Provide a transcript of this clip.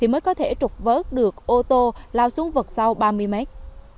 mới có thể trục vớt được ô tô lao xuống vực sau ba mươi mét